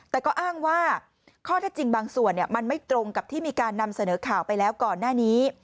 แต่ก็อ้างว่าข้อเท็จจริงบางส่วนมันไม่ตรงกับที่มีการนำเสนอข่าวไปแล้วก่อนหน้านี้